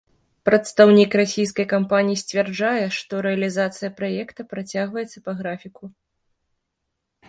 Прадстаўнік расійскай кампаніі сцвярджае, што рэалізацыя праекта працягваецца па графіку.